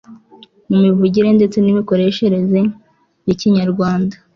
mu mivugire ndetse n'imikoreshereze y'ikinyarwanda